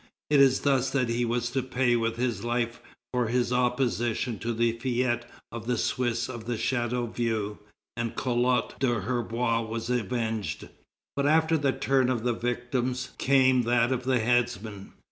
It is thus that he was to pay with his life for his opposition to the fête of the Swiss of Chateauvieux, and Collot d'Herbois was avenged. But after the turn of the victims came that of the headsmen.